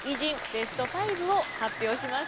ベスト５」を発表します。